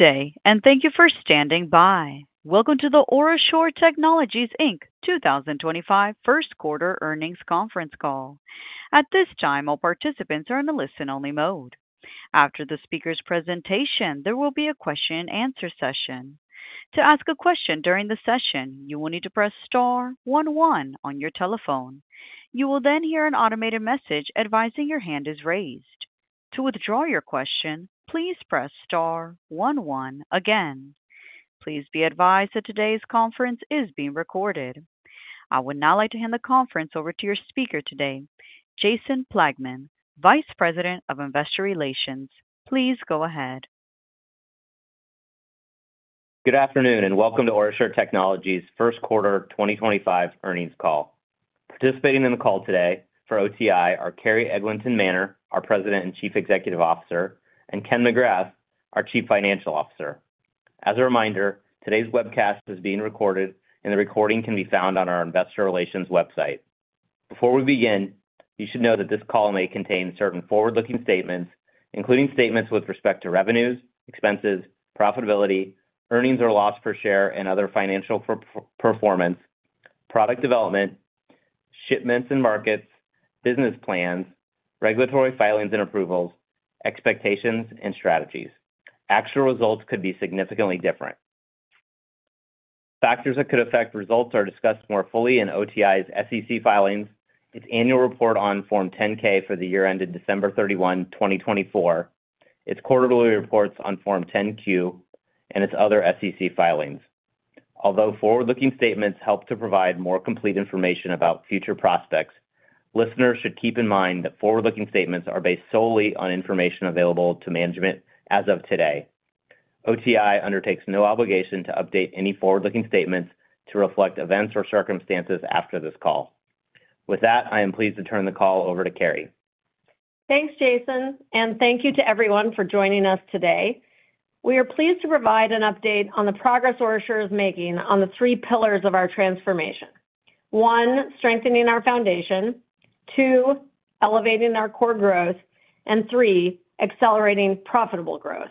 Good day, and thank you for standing by. Welcome to the OraSure Technologies Inc. 2025 First Quarter Earnings Conference Call. At this time, all participants are in the listen-only mode. After the speaker's presentation, there will be a question-and-answer session. To ask a question during the session, you will need to press star 11 on your telephone. You will then hear an automated message advising your hand is raised. To withdraw your question, please press star 11 again. Please be advised that today's conference is being recorded. I would now like to hand the conference over to your speaker today, Jason Plagman, Vice President of Investor Relations. Please go ahead. Good afternoon, and welcome to OraSure Technologies' First Quarter 2025 Earnings Call. Participating in the call today for OTI are Carrie Eglinton Manner, our President and Chief Executive Officer, and Ken McGrath, our Chief Financial Officer. As a reminder, today's webcast is being recorded, and the recording can be found on our Investor Relations website. Before we begin, you should know that this call may contain certain forward-looking statements, including statements with respect to revenues, expenses, profitability, earnings or loss per share, and other financial performance, product development, shipments and markets, business plans, regulatory filings and approvals, expectations, and strategies. Actual results could be significantly different. Factors that could affect results are discussed more fully in OTI's SEC filings, its annual report on Form 10-K for the year ended December 31, 2024, its quarterly reports on Form 10-Q, and its other SEC filings. Although forward-looking statements help to provide more complete information about future prospects, listeners should keep in mind that forward-looking statements are based solely on information available to management as of today. OraSure Technologies undertakes no obligation to update any forward-looking statements to reflect events or circumstances after this call. With that, I am pleased to turn the call over to Carrie. Thanks, Jason, and thank you to everyone for joining us today. We are pleased to provide an update on the progress OraSure is making on the three pillars of our transformation: one, strengthening our foundation; two, elevating our core growth; and three, accelerating profitable growth.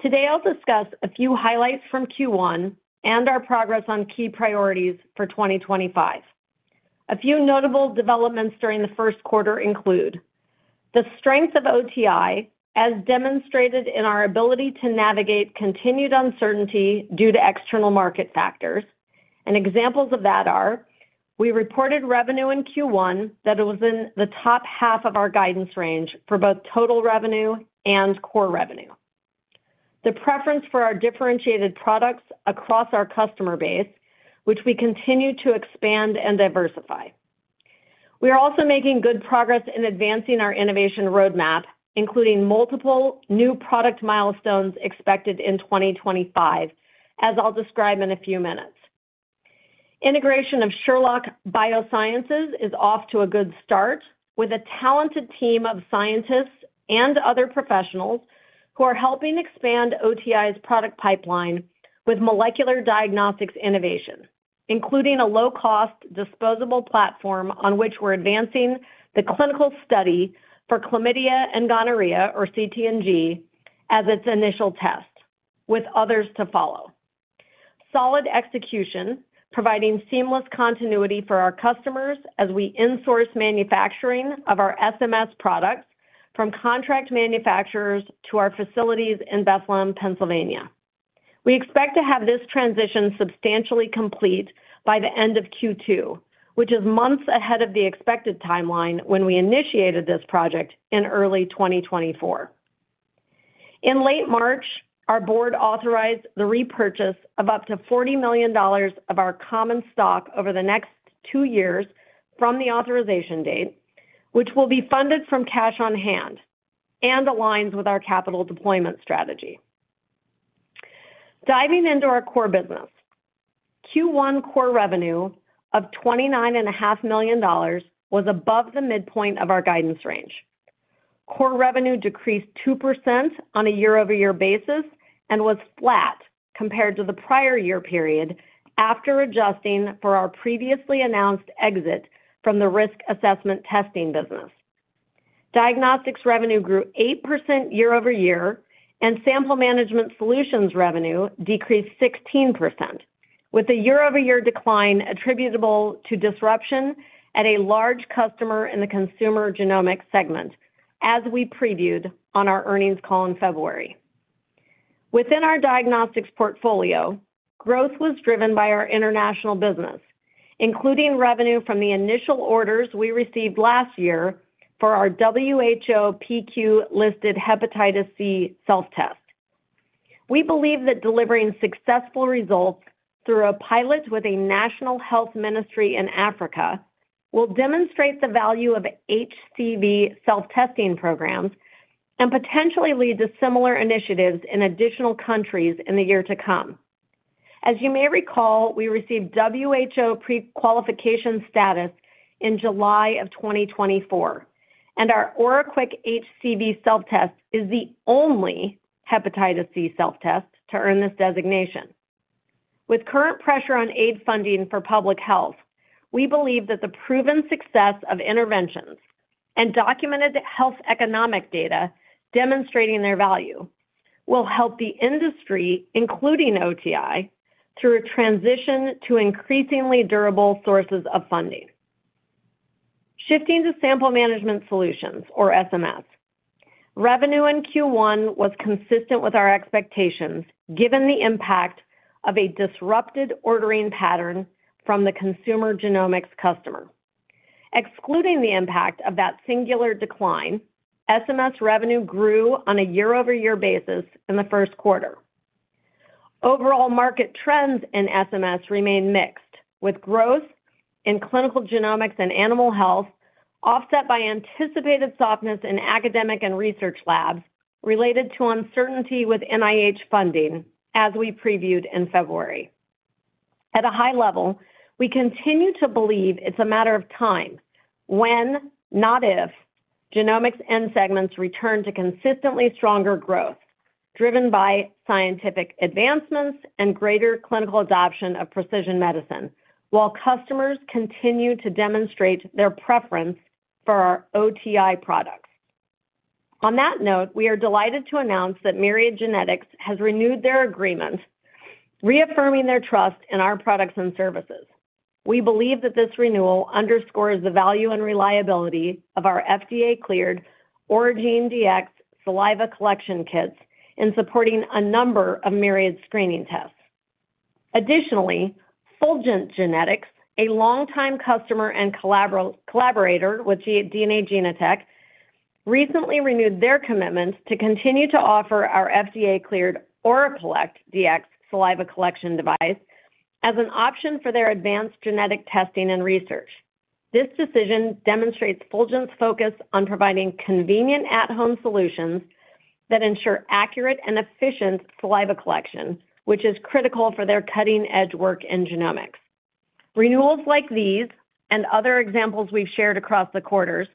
Today, I'll discuss a few highlights from Q1 and our progress on key priorities for 2025. A few notable developments during the first quarter include the strength of OTI, as demonstrated in our ability to navigate continued uncertainty due to external market factors. Examples of that are we reported revenue in Q1 that was in the top half of our guidance range for both total revenue and core revenue, the preference for our differentiated products across our customer base, which we continue to expand and diversify. We are also making good progress in advancing our innovation roadmap, including multiple new product milestones expected in 2025, as I'll describe in a few minutes. Integration of Sherlock Biosciences is off to a good start with a talented team of scientists and other professionals who are helping expand OTI's product pipeline with molecular diagnostics innovation, including a low-cost disposable platform on which we're advancing the clinical study for chlamydia and gonorrhea, or CT&G, as its initial test, with others to follow. Solid execution providing seamless continuity for our customers as we insource manufacturing of our SMS products from contract manufacturers to our facilities in Bethlehem, Pennsylvania. We expect to have this transition substantially complete by the end of Q2, which is months ahead of the expected timeline when we initiated this project in early 2024. In late March, our board authorized the repurchase of up to $40 million of our common stock over the next two years from the authorization date, which will be funded from cash on hand and aligns with our capital deployment strategy. Diving into our core business, Q1 core revenue of $29.5 million was above the midpoint of our guidance range. Core revenue decreased 2% on a year-over-year basis and was flat compared to the prior year period after adjusting for our previously announced exit from the risk assessment testing business. Diagnostics revenue grew 8% year-over-year, and sample management solutions revenue decreased 16%, with a year-over-year decline attributable to disruption at a large customer in the consumer genomics segment, as we previewed on our earnings call in February. Within our diagnostics portfolio, growth was driven by our international business, including revenue from the initial orders we received last year for our WHO PQ-listed hepatitis C self-test. We believe that delivering successful results through a pilot with a national health ministry in Africa will demonstrate the value of HCV self-testing programs and potentially lead to similar initiatives in additional countries in the year to come. As you may recall, we received WHO pre-qualification status in July of 2024, and our OraQuick HCV self-test is the only hepatitis C self-test to earn this designation. With current pressure on aid funding for public health, we believe that the proven success of interventions and documented health economic data demonstrating their value will help the industry, including OTI, through a transition to increasingly durable sources of funding. Shifting to sample management solutions, or SMS, revenue in Q1 was consistent with our expectations given the impact of a disrupted ordering pattern from the consumer genomics customer. Excluding the impact of that singular decline, SMS revenue grew on a year-over-year basis in the first quarter. Overall market trends in SMS remain mixed, with growth in clinical genomics and animal health offset by anticipated softness in academic and research labs related to uncertainty with NIH funding, as we previewed in February. At a high level, we continue to believe it's a matter of time when, not if, genomics end segments return to consistently stronger growth driven by scientific advancements and greater clinical adoption of precision medicine, while customers continue to demonstrate their preference for our OTI products. On that note, we are delighted to announce that Myriad Genetics has renewed their agreement, reaffirming their trust in our products and services. We believe that this renewal underscores the value and reliability of our FDA-cleared Oragene•DX saliva collection kits in supporting a number of Myriad screening tests. Additionally, Fulgent Genetics, a longtime customer and collaborator with DNA Genotek, recently renewed their commitment to continue to offer our FDA-cleared ORAcollect•DX saliva collection device as an option for their advanced genetic testing and research. This decision demonstrates Fulgent's focus on providing convenient at-home solutions that ensure accurate and efficient saliva collection, which is critical for their cutting-edge work in genomics. Renewals like these and other examples we've shared across the quarters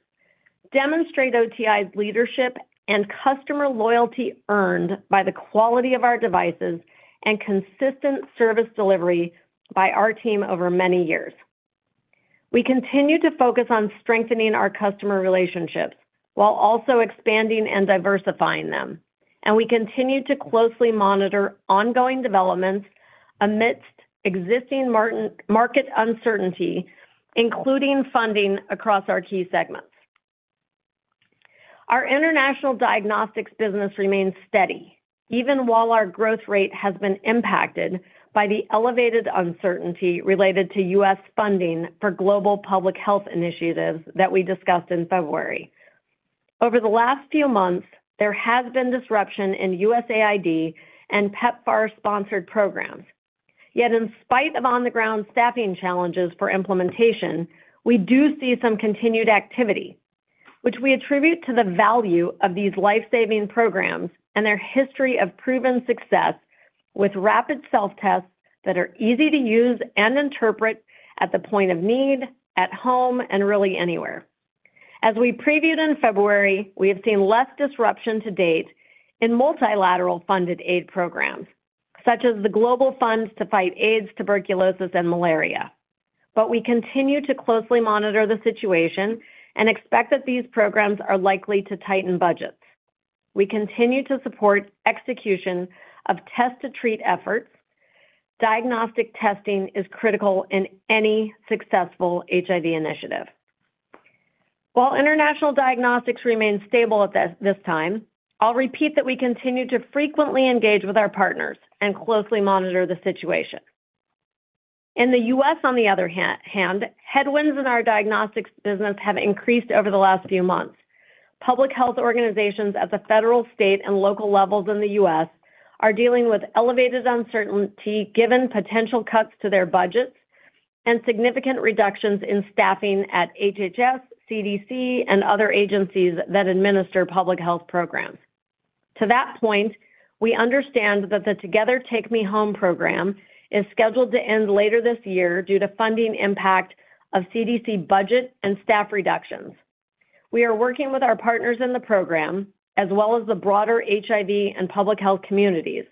demonstrate OTI's leadership and customer loyalty earned by the quality of our devices and consistent service delivery by our team over many years. We continue to focus on strengthening our customer relationships while also expanding and diversifying them, and we continue to closely monitor ongoing developments amidst existing market uncertainty, including funding across our key segments. Our international diagnostics business remains steady, even while our growth rate has been impacted by the elevated uncertainty related to U.S. funding for global public health initiatives that we discussed in February. Over the last few months, there has been disruption in USAID and PEPFAR-sponsored programs. Yet, in spite of on-the-ground staffing challenges for implementation, we do see some continued activity, which we attribute to the value of these lifesaving programs and their history of proven success with rapid self-tests that are easy to use and interpret at the point of need, at home, and really anywhere. As we previewed in February, we have seen less disruption to date in multilateral funded aid programs, such as the Global Fund to Fight AIDS, Tuberculosis, and Malaria. We continue to closely monitor the situation and expect that these programs are likely to tighten budgets. We continue to support execution of test-to-treat efforts. Diagnostic testing is critical in any successful HIV initiative. While international diagnostics remain stable at this time, I'll repeat that we continue to frequently engage with our partners and closely monitor the situation. In the U.S., on the other hand, headwinds in our diagnostics business have increased over the last few months. Public health organizations at the federal, state, and local levels in the U.S. are dealing with elevated uncertainty given potential cuts to their budgets and significant reductions in staffing at HHS, CDC, and other agencies that administer public health programs. To that point, we understand that the Together Take Me Home program is scheduled to end later this year due to funding impact of CDC budget and staff reductions. We are working with our partners in the program, as well as the broader HIV and public health communities,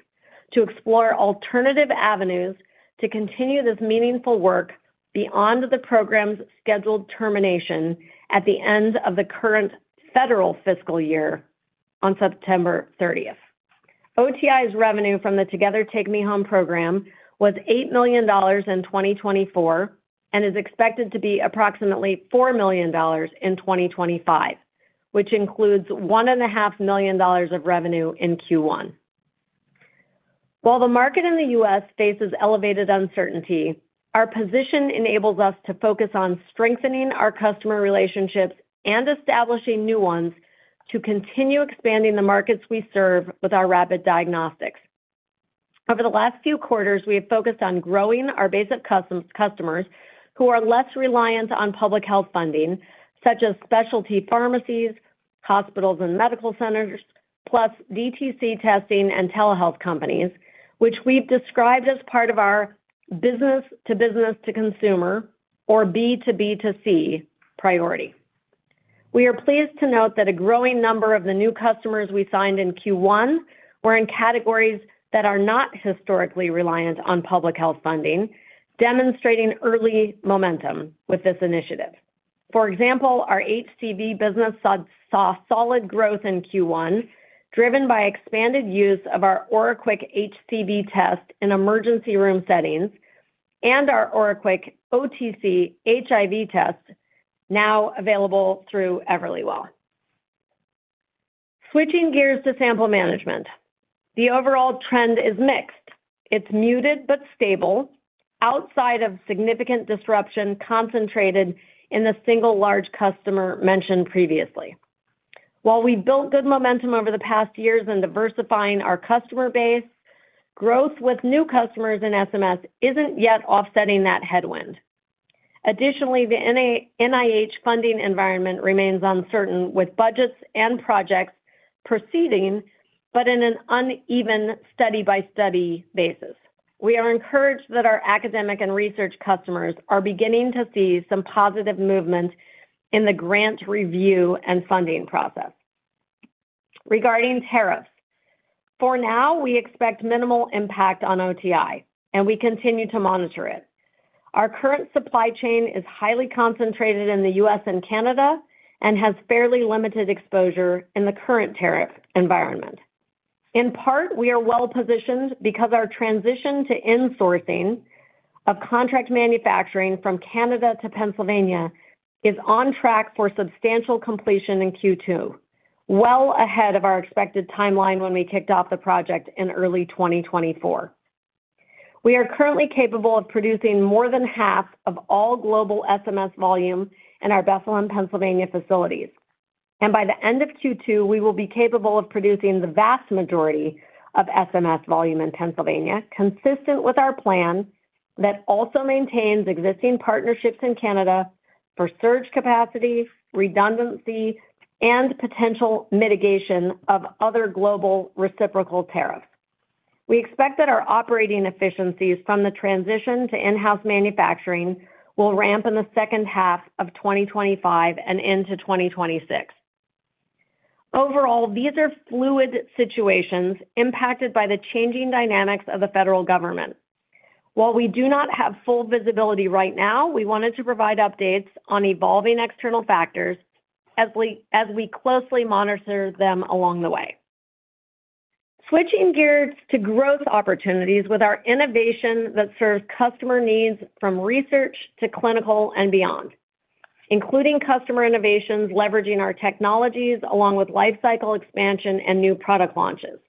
to explore alternative avenues to continue this meaningful work beyond the program's scheduled termination at the end of the current federal fiscal year on September 30th. OraSure's revenue from the Together Take Me Home program was $8 million in 2024 and is expected to be approximately $4 million in 2025, which includes $1.5 million of revenue in Q1. While the market in the U.S. faces elevated uncertainty, our position enables us to focus on strengthening our customer relationships and establishing new ones to continue expanding the markets we serve with our rapid diagnostics. Over the last few quarters, we have focused on growing our basic customers who are less reliant on public health funding, such as specialty pharmacies, hospitals, and medical centers, plus DTC testing and telehealth companies, which we've described as part of our business-to-business-to-consumer, or B2B2C, priority. We are pleased to note that a growing number of the new customers we signed in Q1 were in categories that are not historically reliant on public health funding, demonstrating early momentum with this initiative. For example, our HCV business saw solid growth in Q1, driven by expanded use of our OraQuick HCV test in emergency room settings and our OraQuick OTC HIV test now available through Everlywell. Switching gears to sample management, the overall trend is mixed. It's muted but stable outside of significant disruption concentrated in the single large customer mentioned previously. While we've built good momentum over the past years in diversifying our customer base, growth with new customers in SMS isn't yet offsetting that headwind. Additionally, the NIH funding environment remains uncertain, with budgets and projects proceeding, but in an uneven study-by-study basis. We are encouraged that our academic and research customers are beginning to see some positive movement in the grant review and funding process. Regarding tariffs, for now, we expect minimal impact on OTI, and we continue to monitor it. Our current supply chain is highly concentrated in the U.S. and Canada and has fairly limited exposure in the current tariff environment. In part, we are well-positioned because our transition to insourcing of contract manufacturing from Canada to Pennsylvania is on track for substantial completion in Q2, well ahead of our expected timeline when we kicked off the project in early 2024. We are currently capable of producing more than half of all global SMS volume in our Bethlehem, Pennsylvania facilities. By the end of Q2, we will be capable of producing the vast majority of SMS volume in Pennsylvania, consistent with our plan that also maintains existing partnerships in Canada for surge capacity, redundancy, and potential mitigation of other global reciprocal tariffs. We expect that our operating efficiencies from the transition to in-house manufacturing will ramp in the second half of 2025 and into 2026. Overall, these are fluid situations impacted by the changing dynamics of the federal government. While we do not have full visibility right now, we wanted to provide updates on evolving external factors as we closely monitor them along the way. Switching gears to growth opportunities with our innovation that serves customer needs from research to clinical and beyond, including customer innovations leveraging our technologies along with lifecycle expansion and new product launches.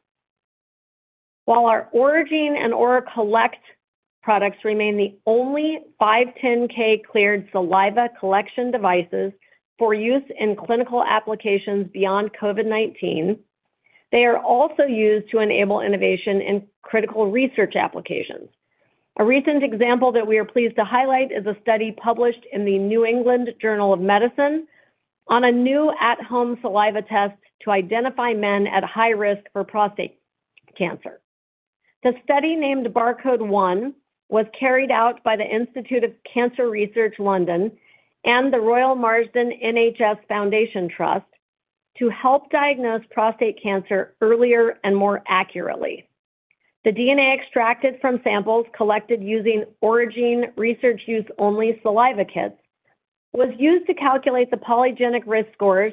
While our Origin and ORAcollect products remain the only 510(k) cleared saliva collection devices for use in clinical applications beyond COVID-19, they are also used to enable innovation in critical research applications. A recent example that we are pleased to highlight is a study published in the New England Journal of Medicine on a new at-home saliva test to identify men at high risk for prostate cancer. The study named Barcode One was carried out by the Institute of Cancer Research London and the Royal Marsden NHS Foundation Trust to help diagnose prostate cancer earlier and more accurately. The DNA extracted from samples collected using Origin research-use-only saliva kits was used to calculate the polygenic risk scores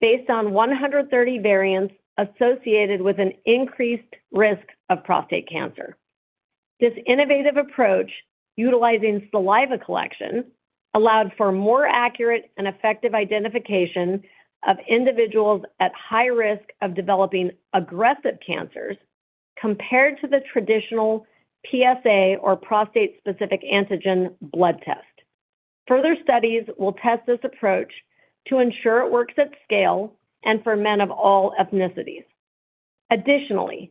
based on 130 variants associated with an increased risk of prostate cancer. This innovative approach, utilizing saliva collection, allowed for more accurate and effective identification of individuals at high risk of developing aggressive cancers compared to the traditional PSA or prostate-specific antigen blood test. Further studies will test this approach to ensure it works at scale and for men of all ethnicities. Additionally,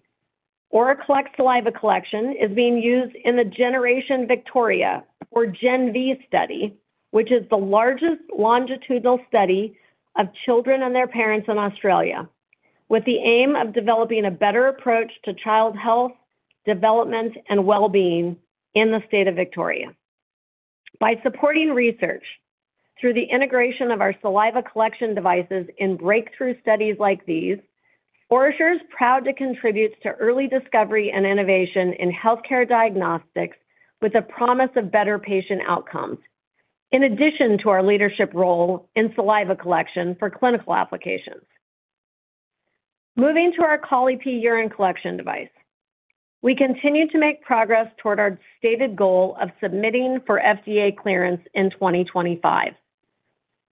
ORAcollect saliva collection is being used in the Generation Victoria or GenV study, which is the largest longitudinal study of children and their parents in Australia, with the aim of developing a better approach to child health, development, and well-being in the state of Victoria. By supporting research through the integration of our saliva collection devices in breakthrough studies like these, OraSure is proud to contribute to early discovery and innovation in healthcare diagnostics with a promise of better patient outcomes, in addition to our leadership role in saliva collection for clinical applications. Moving to our Colli-Pee urine collection device, we continue to make progress toward our stated goal of submitting for FDA clearance in 2025.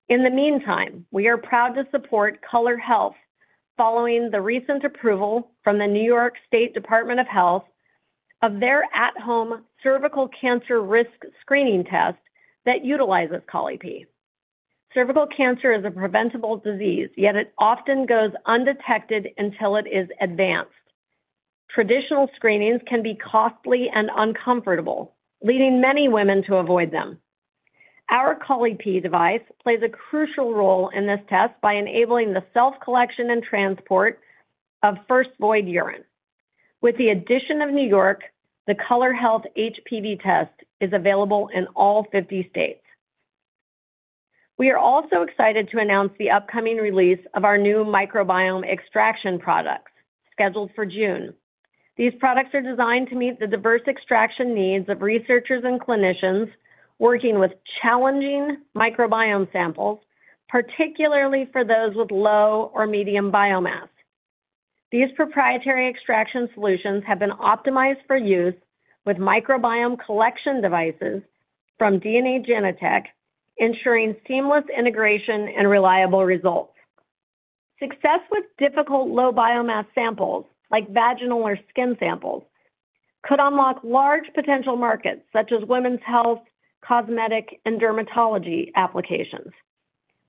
In the meantime, we are proud to support Color Health following the recent approval from the New York State Department of Health of their at-home cervical cancer risk screening test that utilizes Colli-Pee. Cervical cancer is a preventable disease, yet it often goes undetected until it is advanced. Traditional screenings can be costly and uncomfortable, leading many women to avoid them. Our Colli-Pee device plays a crucial role in this test by enabling the self-collection and transport of first void urine. With the addition of New York, the Color Health HPV test is available in all 50 states. We are also excited to announce the upcoming release of our new microbiome extraction products scheduled for June. These products are designed to meet the diverse extraction needs of researchers and clinicians working with challenging microbiome samples, particularly for those with low or medium biomass. These proprietary extraction solutions have been optimized for use with microbiome collection devices from DNA Genotek, ensuring seamless integration and reliable results. Success with difficult low biomass samples, like vaginal or skin samples, could unlock large potential markets, such as women's health, cosmetic, and dermatology applications.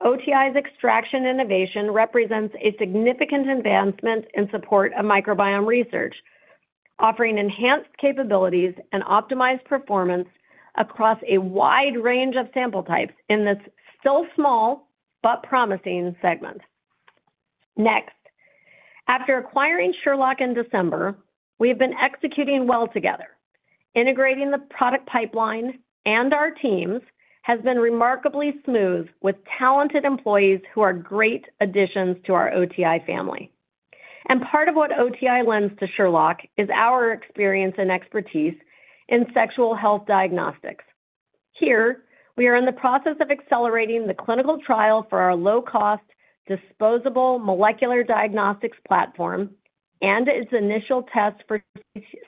OTI's extraction innovation represents a significant advancement in support of microbiome research, offering enhanced capabilities and optimized performance across a wide range of sample types in this still small but promising segment. Next, after acquiring Sherlock in December, we have been executing well together. Integrating the product pipeline and our teams has been remarkably smooth, with talented employees who are great additions to our OTI family. Part of what OTI lends to Sherlock is our experience and expertise in sexual health diagnostics. Here, we are in the process of accelerating the clinical trial for our low-cost, disposable molecular diagnostics platform and its initial test for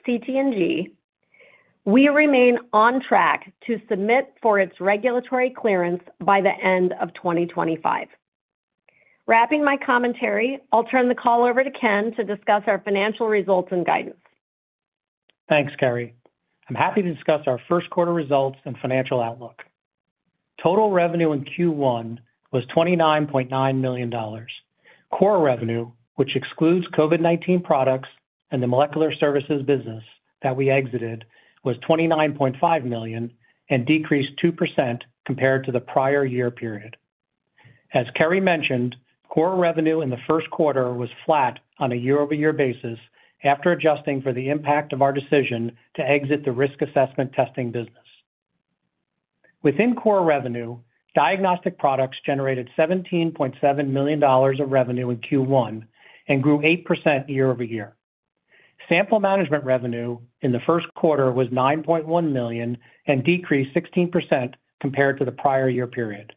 CT&G. We remain on track to submit for its regulatory clearance by the end of 2025. Wrapping my commentary, I'll turn the call over to Ken to discuss our financial results and guidance. Thanks, Carrie. I'm happy to discuss our first quarter results and financial outlook. Total revenue in Q1 was $29.9 million. Core revenue, which excludes COVID-19 products and the molecular services business that we exited, was $29.5 million and decreased 2% compared to the prior year period. As Carrie mentioned, core revenue in the first quarter was flat on a year-over-year basis after adjusting for the impact of our decision to exit the risk assessment testing business. Within core revenue, diagnostic products generated $17.7 million of revenue in Q1 and grew 8% year-over-year. Sample management revenue in the first quarter was $9.1 million and decreased 16% compared to the prior year period.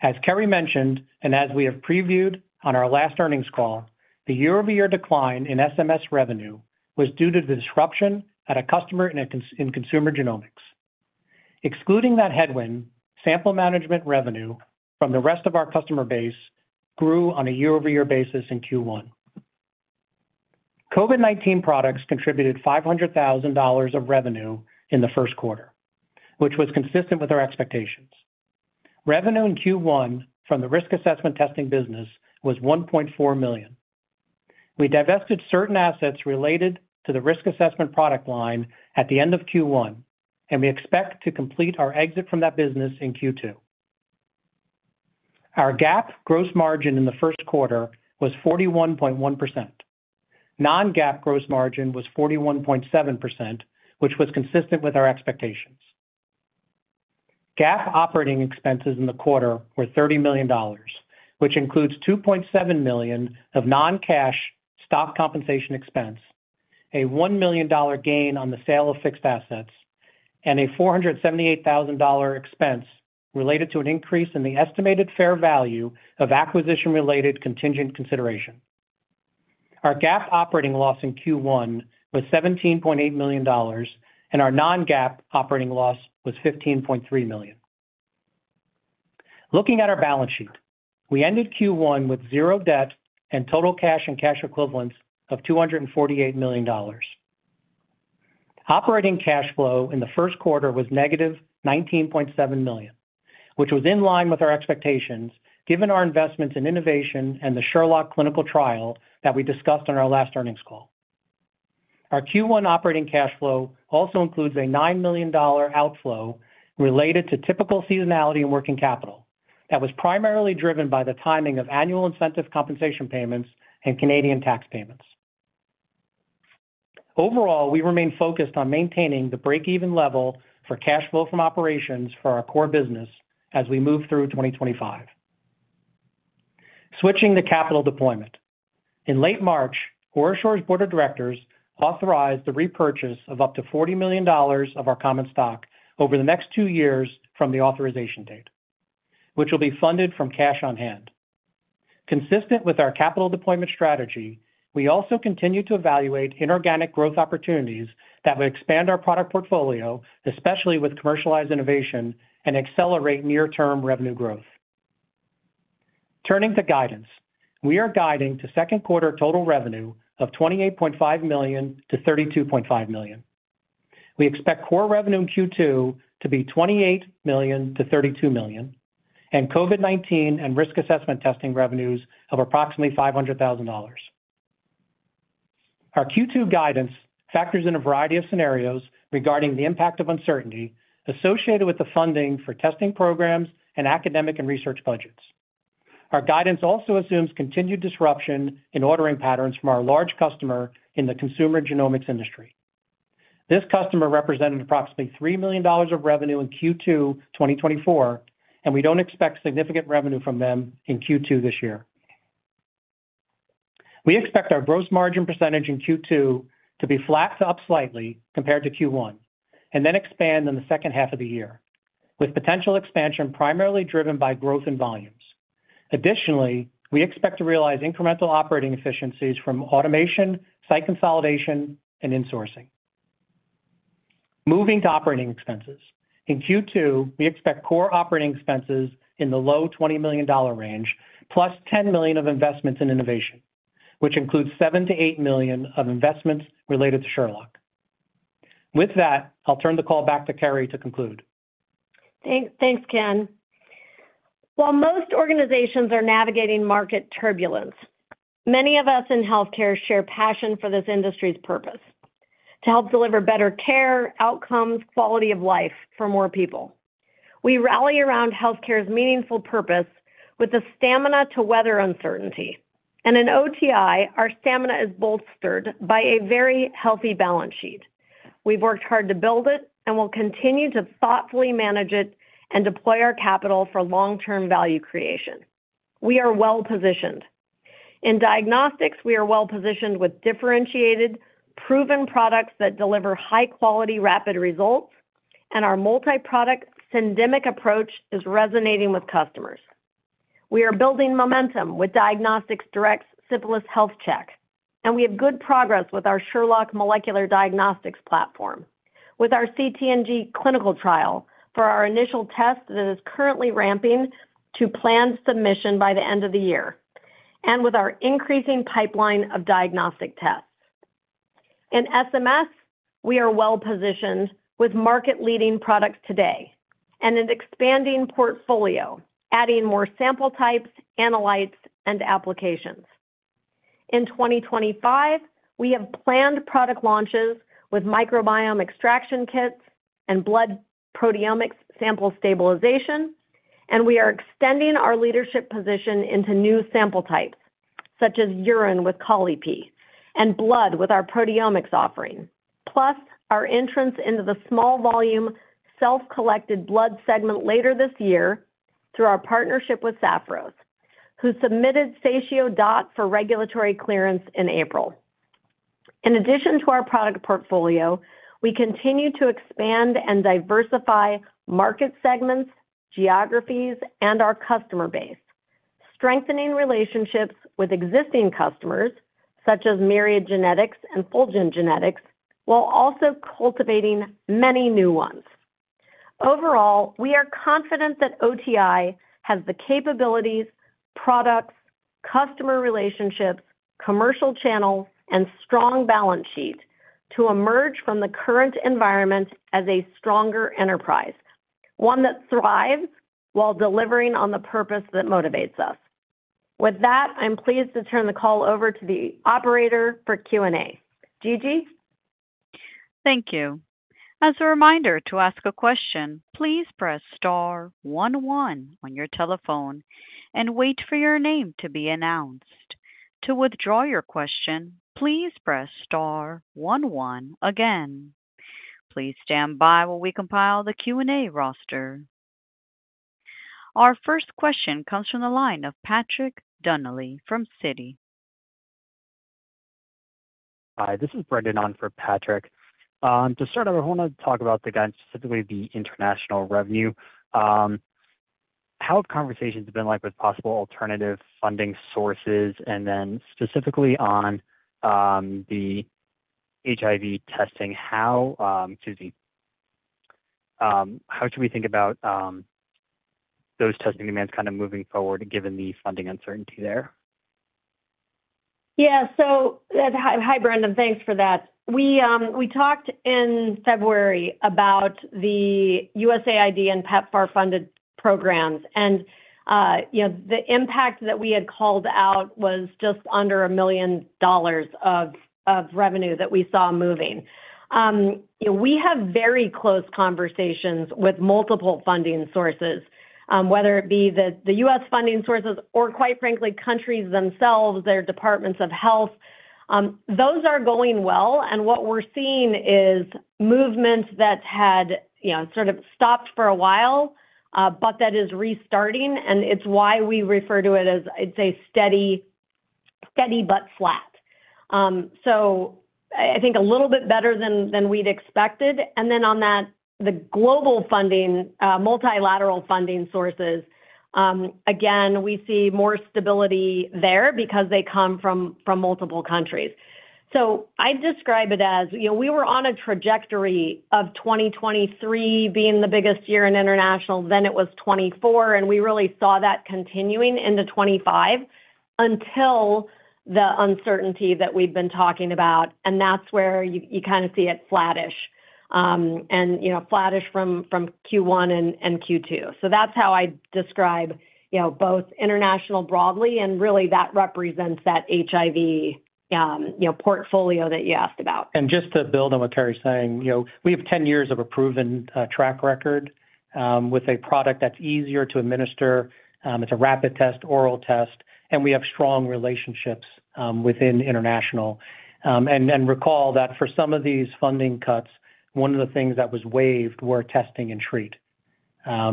As Carrie mentioned, and as we have previewed on our last earnings call, the year-over-year decline in SMS revenue was due to the disruption at a customer in consumer genomics. Excluding that headwind, sample management revenue from the rest of our customer base grew on a year-over-year basis in Q1. COVID-19 products contributed $500,000 of revenue in the first quarter, which was consistent with our expectations. Revenue in Q1 from the risk assessment testing business was $1.4 million. We divested certain assets related to the risk assessment product line at the end of Q1, and we expect to complete our exit from that business in Q2. Our GAAP gross margin in the first quarter was 41.1%. Non-GAAP gross margin was 41.7%, which was consistent with our expectations. GAAP operating expenses in the quarter were $30 million, which includes $2.7 million of non-cash stock compensation expense, a $1 million gain on the sale of fixed assets, and a $478,000 expense related to an increase in the estimated fair value of acquisition-related contingent consideration. Our GAAP operating loss in Q1 was $17.8 million, and our non-GAAP operating loss was $15.3 million. Looking at our balance sheet, we ended Q1 with zero debt and total cash and cash equivalents of $248 million. Operating cash flow in the first quarter was negative $19.7 million, which was in line with our expectations given our investments in innovation and the Sherlock clinical trial that we discussed on our last earnings call. Our Q1 operating cash flow also includes a $9 million outflow related to typical seasonality and working capital that was primarily driven by the timing of annual incentive compensation payments and Canadian tax payments. Overall, we remain focused on maintaining the break-even level for cash flow from operations for our core business as we move through 2025. Switching to capital deployment. In late March, OraSure's board of directors authorized the repurchase of up to $40 million of our common stock over the next two years from the authorization date, which will be funded from cash on hand. Consistent with our capital deployment strategy, we also continue to evaluate inorganic growth opportunities that will expand our product portfolio, especially with commercialized innovation, and accelerate near-term revenue growth. Turning to guidance, we are guiding to second quarter total revenue of $28.5 million-$32.5 million. We expect core revenue in Q2 to be $28 million-$32 million, and COVID-19 and risk assessment testing revenues of approximately $500,000. Our Q2 guidance factors in a variety of scenarios regarding the impact of uncertainty associated with the funding for testing programs and academic and research budgets. Our guidance also assumes continued disruption in ordering patterns from our large customer in the consumer genomics industry. This customer represented approximately $3 million of revenue in Q2 2024, and we don't expect significant revenue from them in Q2 this year. We expect our gross margin percentage in Q2 to be flat to up slightly compared to Q1, and then expand in the second half of the year, with potential expansion primarily driven by growth in volumes. Additionally, we expect to realize incremental operating efficiencies from automation, site consolidation, and insourcing. Moving to operating expenses. In Q2, we expect core operating expenses in the low $20 million range, plus $10 million of investments in innovation, which includes $7-$8 million of investments related to Sherlock. With that, I'll turn the call back to Carrie to conclude. Thanks, Ken. While most organizations are navigating market turbulence, many of us in healthcare share passion for this industry's purpose: to help deliver better care, outcomes, quality of life for more people. We rally around healthcare's meaningful purpose with the stamina to weather uncertainty. In OTI, our stamina is bolstered by a very healthy balance sheet. We've worked hard to build it and will continue to thoughtfully manage it and deploy our capital for long-term value creation. We are well-positioned. In diagnostics, we are well-positioned with differentiated, proven products that deliver high-quality, rapid results, and our multi-product syndemic approach is resonating with customers. We are building momentum with Diagnostics Direct's simplest health check, and we have good progress with our Sherlock Molecular Diagnostics Rapid Test Platform, with our CT&G clinical trial for our initial test that is currently ramping to planned submission by the end of the year, and with our increasing pipeline of diagnostic tests. In SMS, we are well-positioned with market-leading products today and an expanding portfolio, adding more sample types, analytes, and applications. In 2025, we have planned product launches with microbiome extraction kits and blood proteomics sample stabilization, and we are extending our leadership position into new sample types, such as urine with Colli-Pee and blood with our proteomics offering, plus our entrance into the small-volume self-collected blood segment later this year through our partnership with Sapphiros, who submitted SatioDot for regulatory clearance in April. In addition to our product portfolio, we continue to expand and diversify market segments, geographies, and our customer base, strengthening relationships with existing customers, such as Myriad Genetics and Fulgent Genetics, while also cultivating many new ones. Overall, we are confident that OTI has the capabilities, products, customer relationships, commercial channels, and strong balance sheet to emerge from the current environment as a stronger enterprise, one that thrives while delivering on the purpose that motivates us. With that, I'm pleased to turn the call over to the operator for Q&A. Gigi. Thank you. As a reminder to ask a question, please press star 11 on your telephone and wait for your name to be announced. To withdraw your question, please press star 11 again. Please stand by while we compile the Q&A roster. Our first question comes from the line of Patrick Donnelly from Citi. Hi, this is Brendan On for Patrick. To start out, I want to talk about the guidance, specifically the international revenue. How have conversations been like with possible alternative funding sources? Then specifically on the HIV testing, how should we think about those testing demands kind of moving forward, given the funding uncertainty there? Yeah. Hi, Brendan. Thanks for that. We talked in February about the USAID and PEPFAR-funded programs, and the impact that we had called out was just under $1 million of revenue that we saw moving. We have very close conversations with multiple funding sources, whether it be the US funding sources or, quite frankly, countries themselves, their departments of health. Those are going well, and what we're seeing is movement that had sort of stopped for a while, but that is restarting, and it's why we refer to it as, I'd say, steady but flat. I think a little bit better than we'd expected. Then on that, the global funding, multilateral funding sources, again, we see more stability there because they come from multiple countries. I'd describe it as we were on a trajectory of 2023 being the biggest year in international, then it was 2024, and we really saw that continuing into 2025 until the uncertainty that we've been talking about, and that's where you kind of see it flattish and flattish from Q1 and Q2. That's how I'd describe both international broadly, and really that represents that HIV portfolio that you asked about. Just to build on what Carrie's saying, we have 10 years of a proven track record with a product that's easier to administer. It's a rapid test, oral test, and we have strong relationships within international. Recall that for some of these funding cuts, one of the things that was waived were testing and treat. Now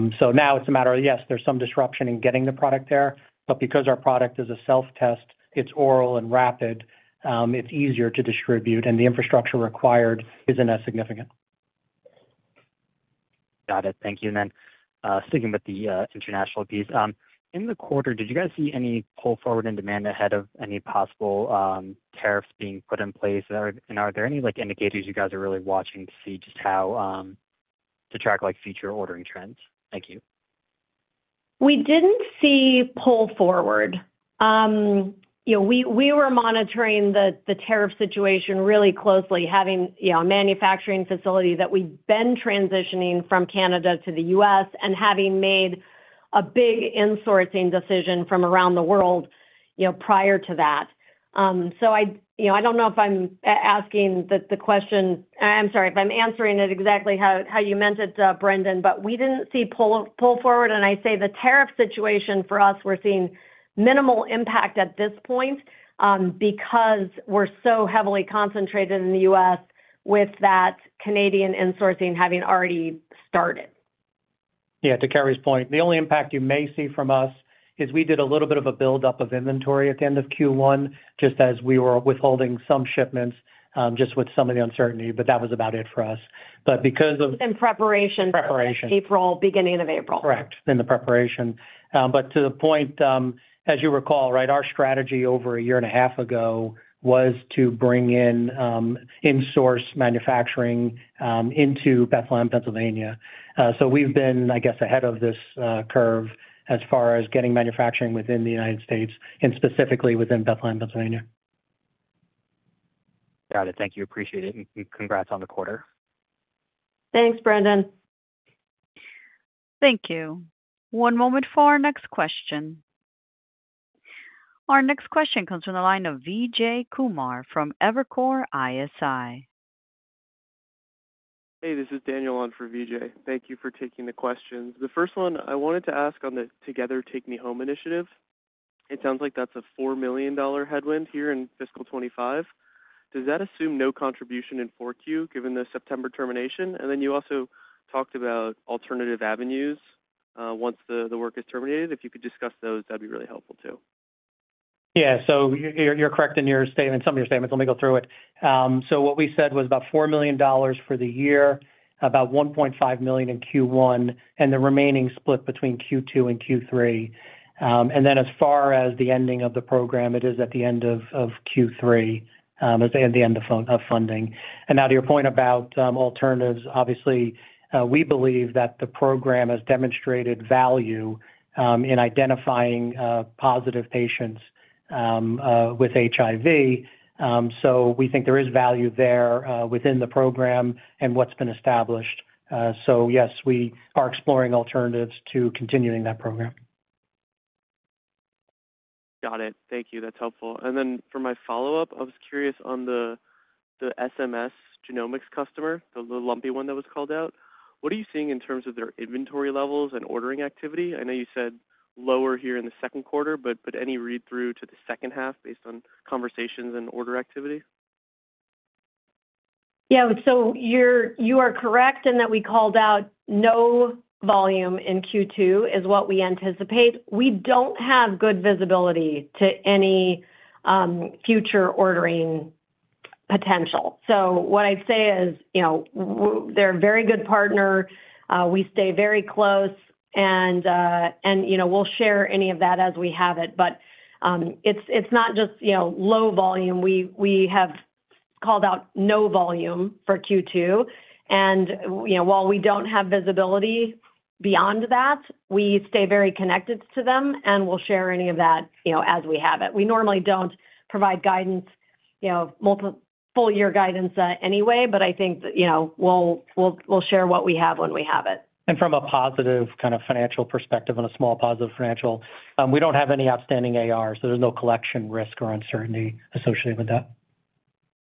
it's a matter of, yes, there's some disruption in getting the product there, but because our product is a self-test, it's oral and rapid, it's easier to distribute, and the infrastructure required isn't as significant. Got it. Thank you. Sticking with the international piece, in the quarter, did you guys see any pull forward in demand ahead of any possible tariffs being put in place? Are there any indicators you guys are really watching to see just how to track future ordering trends? Thank you. We didn't see pull forward. We were monitoring the tariff situation really closely, having a manufacturing facility that we've been transitioning from Canada to the US and having made a big insourcing decision from around the world prior to that. I don't know if I'm asking the question—I'm sorry—if I'm answering it exactly how you meant it, Brendan, but we didn't see pull forward. I say the tariff situation for us, we're seeing minimal impact at this point because we're so heavily concentrated in the US with that Canadian insourcing having already started. Yeah. To Carrie's point, the only impact you may see from us is we did a little bit of a build-up of inventory at the end of Q1, just as we were withholding some shipments just with some of the uncertainty, but that was about it for us. Because of— in preparation. Preparation. April, beginning of April. Correct. In the preparation. To the point, as you recall, right, our strategy over a year and a half ago was to bring in insource manufacturing into Bethlehem, Pennsylvania. We have been, I guess, ahead of this curve as far as getting manufacturing within the United States and specifically within Bethlehem, Pennsylvania. Got it. Thank you. Appreciate it. Congrats on the quarter. Thanks, Brendan. Thank you. One moment for our next question. Our next question comes from the line of Vijay Kumar from Evercore ISI. Hey, this is Daniel on for Vijay. Thank you for taking the questions. The first one, I wanted to ask on the Together Take Me Home initiative. It sounds like that is a $4 million headwind here in fiscal 2025. Does that assume no contribution in Q4 given the September termination? Then you also talked about alternative avenues once the work is terminated. If you could discuss those, that'd be really helpful too. Yeah. So you're correct in your statement, some of your statements. Let me go through it. What we said was about $4 million for the year, about $1.5 million in Q1, and the remaining split between Q2 and Q3. As far as the ending of the program, it is at the end of Q3, at the end of funding. Now to your point about alternatives, obviously, we believe that the program has demonstrated value in identifying positive patients with HIV. We think there is value there within the program and what's been established. Yes, we are exploring alternatives to continuing that program. Got it. Thank you. That's helpful. For my follow-up, I was curious on the SMS Genomics customer, the little lumpy one that was called out. What are you seeing in terms of their inventory levels and ordering activity? I know you said lower here in the second quarter, but any read-through to the second half based on conversations and order activity? Yeah. You are correct in that we called out no volume in Q2 is what we anticipate. We do not have good visibility to any future ordering potential. What I would say is they are a very good partner. We stay very close, and we will share any of that as we have it. It is not just low volume. We have called out no volume for Q2. While we do not have visibility beyond that, we stay very connected to them, and we will share any of that as we have it. We normally do not provide guidance, full-year guidance anyway, but I think we will share what we have when we have it. From a positive kind of financial perspective and a small positive financial, we do not have any outstanding AR, so there is no collection risk or uncertainty associated with that.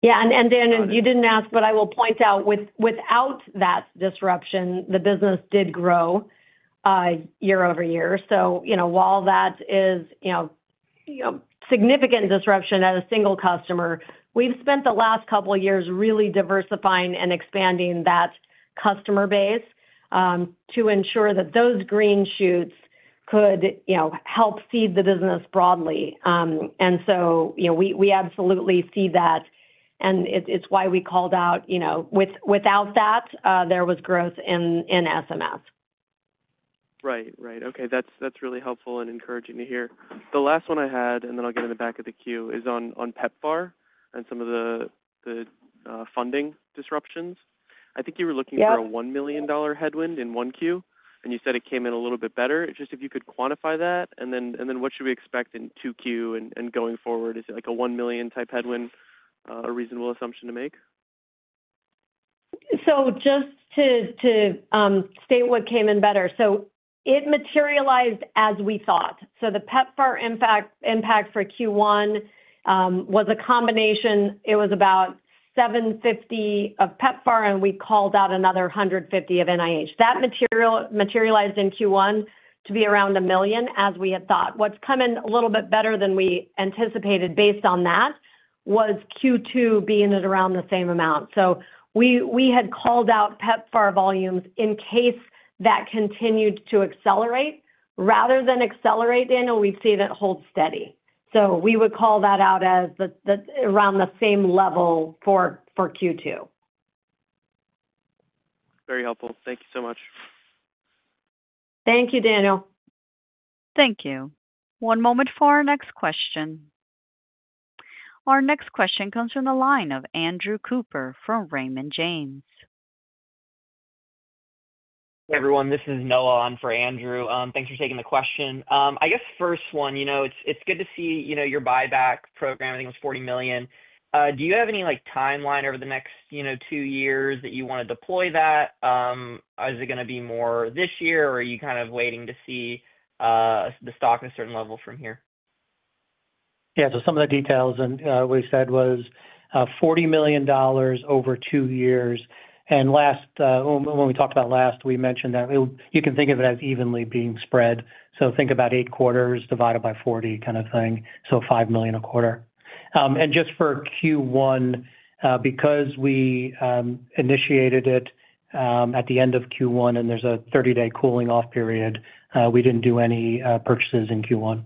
Yeah. Dan, you did not ask, but I will point out, without that disruption, the business did grow year over year. While that is significant disruption at a single customer, we have spent the last couple of years really diversifying and expanding that customer base to ensure that those green shoots could help feed the business broadly. We absolutely see that, and it is why we called out without that, there was growth in SMS. Right. Right. Okay. That is really helpful and encouraging to hear. The last one I had, and then I'll get in the back of the queue, is on PEPFAR and some of the funding disruptions. I think you were looking for a $1 million headwind in 1Q, and you said it came in a little bit better. Just if you could quantify that, and then what should we expect in 2Q and going forward? Is it like a $1 million type headwind, a reasonable assumption to make? Just to state what came in better, it materialized as we thought. The PEPFAR impact for Q1 was a combination; it was about $750,000 of PEPFAR, and we called out another $150,000 of NIH. That materialized in Q1 to be around $1 million as we had thought. What's come in a little bit better than we anticipated based on that was Q2 being at around the same amount. We had called out PEPFAR volumes in case that continued to accelerate. Rather than accelerate, Daniel, we'd say that holds steady. We would call that out as around the same level for Q2. Very helpful. Thank you so much. Thank you, Daniel. Thank you. One moment for our next question. Our next question comes from the line of Andrew Cooper from Raymond James. Hey, everyone. This is Noah on for Andrew. Thanks for taking the question. I guess first one, it's good to see your buyback program. I think it was $40 million. Do you have any timeline over the next two years that you want to deploy that? Is it going to be more this year, or are you kind of waiting to see the stock at a certain level from here? Yeah. Some of the details we said was $40 million over two years. When we talked about last, we mentioned that you can think of it as evenly being spread. Think about eight quarters divided by 40 kind of thing. $5 million a quarter. Just for Q1, because we initiated it at the end of Q1 and there's a 30-day cooling-off period, we didn't do any purchases in Q1.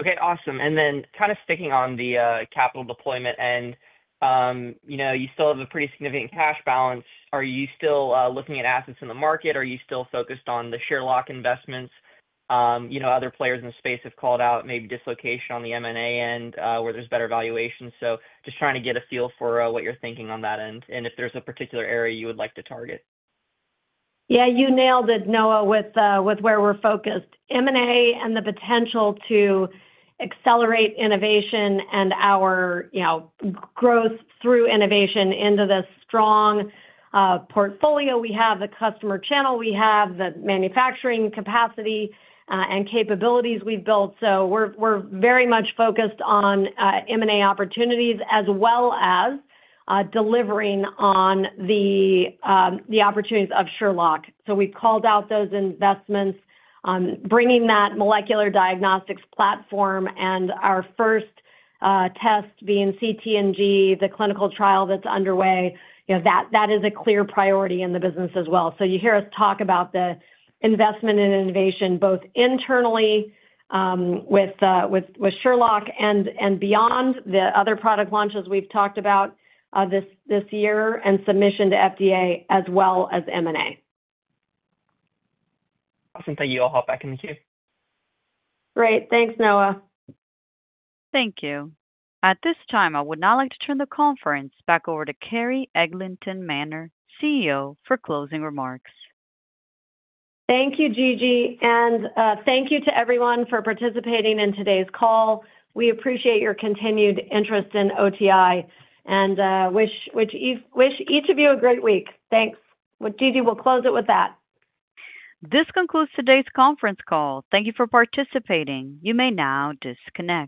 Okay. Awesome. Kind of sticking on the capital deployment end, you still have a pretty significant cash balance. Are you still looking at assets in the market? Are you still focused on the Sherlock investments? Other players in the space have called out maybe dislocation on the M&A end where there's better valuation. Just trying to get a feel for what you're thinking on that end and if there's a particular area you would like to target. Yeah. You nailed it, Noah, with where we're focused. M&A and the potential to accelerate innovation and our growth through innovation into the strong portfolio we have, the customer channel we have, the manufacturing capacity and capabilities we've built. We are very much focused on M&A opportunities as well as delivering on the opportunities of Sherlock. We have called out those investments, bringing that molecular diagnostics platform and our first test being CT&G, the clinical trial that's underway. That is a clear priority in the business as well. You hear us talk about the investment in innovation both internally with Sherlock and beyond the other product launches we've talked about this year and submission to FDA as well as M&A. Awesome. Thank you. I'll hop back in the queue. Great. Thanks, Noah. Thank you. At this time, I would now like to turn the conference back over to Carrie Eglinton Manner, CEO, for closing remarks. Thank you, Gigi. Thank you to everyone for participating in today's call. We appreciate your continued interest in OTI and wish each of you a great week. Thanks. Gigi, we'll close it with that. This concludes today's conference call. Thank you for participating. You may now disconnect.